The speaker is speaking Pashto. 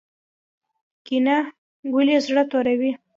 کینه ولې زړه توروي؟